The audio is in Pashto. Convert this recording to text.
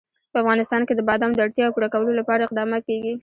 په افغانستان کې د بادام د اړتیاوو پوره کولو لپاره اقدامات کېږي.